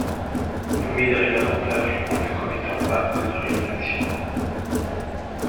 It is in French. Vous m'aiderez davantage en ne commettant pas de pareilles actions.